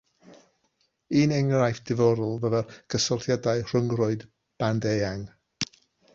Un enghraifft ddiddorol fyddai cysylltiadau rhyngrwyd band eang.